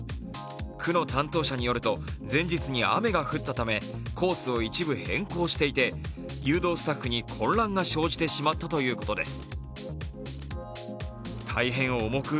区の担当者によると前日に雨が降ったためコースを一部変更していて、誘導スタッフに混乱が生じてしまったということです。